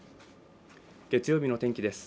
月曜日の天気です。